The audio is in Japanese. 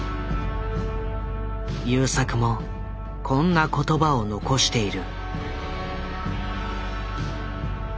優作もこんな言葉を残している。